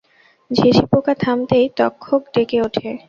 বিঝিপোকা থামতেই তক্ষক ডেকে ওঠে।